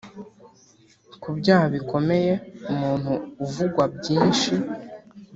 ku byaha bikomeye umuntu uvugwa byishi